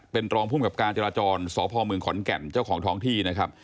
เป็นรองภูมิกับการจราจรสพเมืองขอนแก่นเจ้าของท้องที่นะครับ